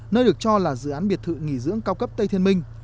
nơi được cho là dự án biệt thự nghỉ dưỡng cao cấp tây thiên minh